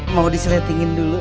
mau disletingin dulu